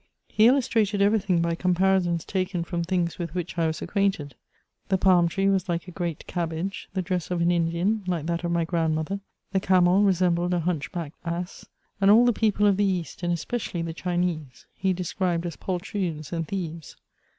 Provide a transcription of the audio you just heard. He illustrated every thing by comparisons taken from things with which I was acquaint^ : the palm tree was like a great cabbage, the dress of an Indian like that of my grand mother, the camel resembled a hunch backed ass ; and edl the people of the East, and especially the Chinese, he described as pol troons and thieves.